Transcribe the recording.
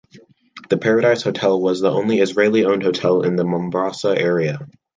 The Paradise Hotel was the only Israeli-owned hotel in the Mombasa area.